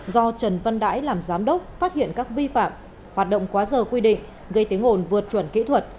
do trần văn đãi làm giám đốc phát hiện các vi phạm hoạt động quá giờ quy định gây tiếng ồn vượt chuẩn kỹ thuật